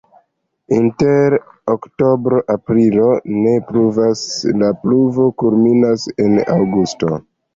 Inter oktobro-aprilo ne pluvas, la pluvo kulminas en aŭgusto.